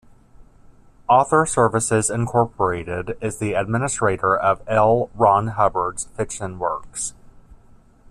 Author Services Incorporated is the administrator of L. Ron Hubbard's fiction works.